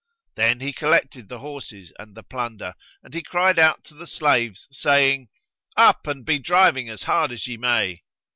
Then he collected the horses and the plunder, and he cried out to the slaves, saying, "Up and be driving as hard as ye may!"